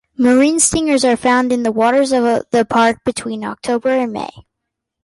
Marine stingers are found in the waters of the park between October and May.